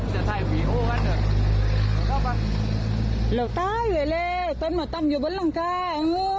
หลักข้าอยู่เลยต้องมาตำอยู่บนหลังคา